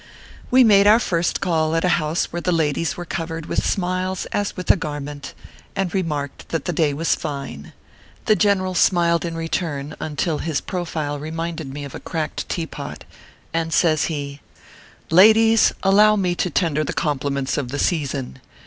We made our first call at a house where the ladies were covered with smiles as with a garment ; and re marked that the day was fine. The general smiled in return, until his profile reminded me of a cracked tea pot ; and says he :" Ladies, allow me to tender the compliments of the season.